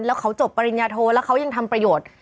แล้วเขาจบปริญญาโทแล้วเขายังทำประโยชน์